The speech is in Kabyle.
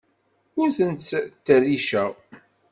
Ur ten-ttṭerriceɣ.